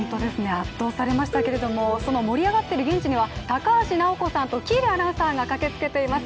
圧倒されましたけど、盛り上がっている現地には高橋尚子さんと喜入アナウンサーが駆けつけています。